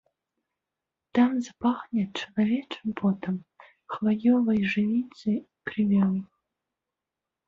Там запахне чалавечым потам, хваёвай жывіцай і крывёю.